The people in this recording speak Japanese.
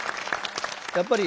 やっぱり